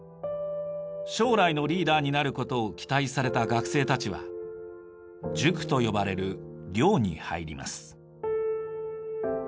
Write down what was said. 将来のリーダーになることを期待された学生たちは「塾」と呼ばれる寮に入ります。